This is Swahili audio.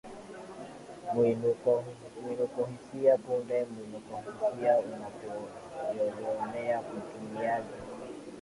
mwinukohisia Punde mwinukohisia unapoyoyomea mtumiaji